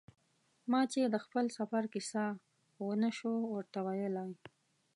ما چې د خپل سفر کیسه و نه شو ورته ویلای.